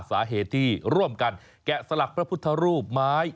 สาเหตุที่ร่วมกันแกะสลักพระพุทธรูปไม้